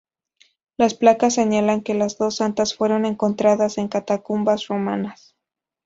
Las placas señalan que las dos santas fueron encontradas en catacumbas romanas.